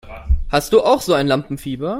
Hast du auch so ein Lampenfieber?